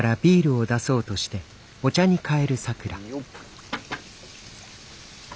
よっ！